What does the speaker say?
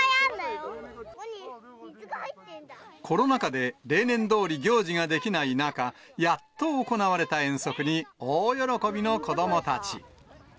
コロナ禍で、例年どおり行事ができない中、やっと行われた遠足に大喜びの子どもたち。